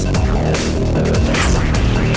ต่อไปท่าที่๓ครับ